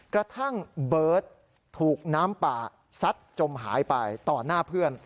กระทั่งเบิร์ตถูกน้ำป่าซัดจมหายไปต่อหน้าเพื่อน